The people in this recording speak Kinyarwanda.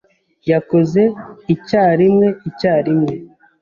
Yakoze icyarimwe icyarimwe.